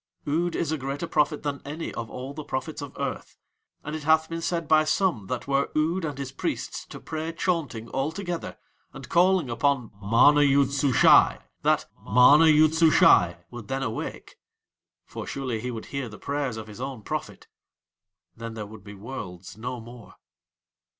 Ood is a greater prophet than any of all the prophets of Earth, and it hath been said by some that were Ood and his priests to pray chaunting all together and calling upon MANA YOOD SUSHAI that MANA YOOD SUSHAI would then awake, for surely he would hear the prayers of his own prophet then would there be Worlds no more.